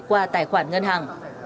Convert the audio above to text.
qua tài khoản ngân hàng